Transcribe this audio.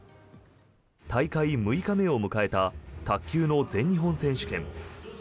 大会６日目を迎えた卓球の全日本選手権。